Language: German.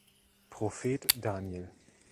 Prophet Daniel.